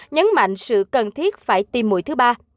nhấn mạnh sự cần thiết phải tiêm mũi thứ ba